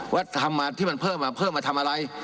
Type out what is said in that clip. ทำมาที่มันเพิ่มมาเพิ่มมาทำอะไร